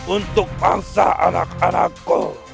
untuk bangsa anak anakku